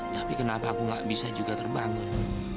tapi kenapa aku gak bisa juga terbangun